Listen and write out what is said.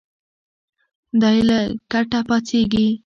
دی له کټه پاڅېږي.